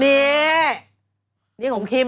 นี่นี่ของคิม